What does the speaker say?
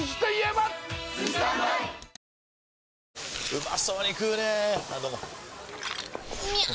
うまそうに食うねぇあどうもみゃう！！